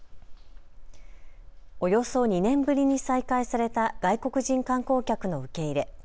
およそ２年ぶりに再開された外国人観光客の受け入れ。